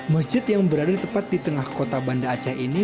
masjid yang berada tepat di tengah kota banda aceh ini